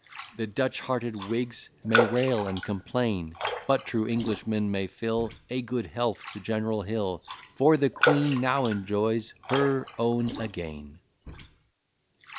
The Dutch hearted Whigs may rail and complain; But true Englishmen may fill A good health to General Hill: "For the Queen now enjoys her own again."